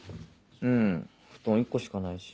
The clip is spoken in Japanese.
うん布団１個しかないし。